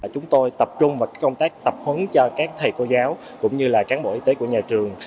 chúng tôi tập trung vào công tác tập huấn cho các thầy cô giáo cũng như là cán bộ y tế của nhà trường